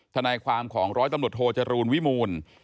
ทนายความของร้อยตำรวจโทจรูลวิมูล